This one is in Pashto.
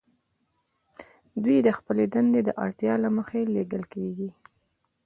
دوی د خپلې دندې د اړتیا له مخې لیږل کیږي